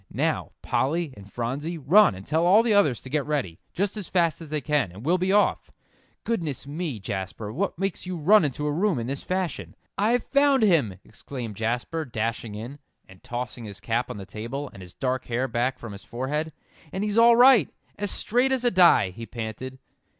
"Now, Polly and Phronsie, run and tell all the others to get ready, just as fast as they can, and we'll be off. Goodness me, Jasper, what makes you run into a room in this fashion?" "I've found him!" exclaimed Jasper, dashing in, and tossing his cap on the table, and his dark hair back from his forehead. "And he's all right as straight as a die," he panted.